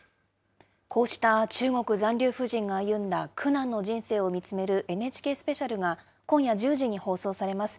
こうした中国残留婦人が歩んだ苦難の人生を見つめるＮＨＫスペシャルが、今夜１０時に放送されます。